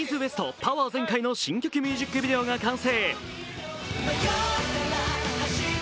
パワー全開の新曲ミュージックビデオが完成。